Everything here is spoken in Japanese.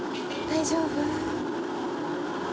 大丈夫？